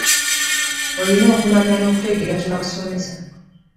Olina okumanya n'okutegeera kyebakusomesa.